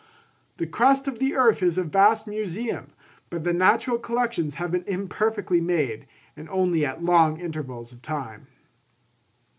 The crust of the earth is a vast museum; but the natural collections have been imperfectly made, and only at long intervals of time.